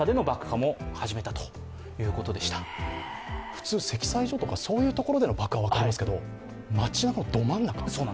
普通、積載所とか、そういう場所での爆破はわかりますけど、街なかのど真ん中？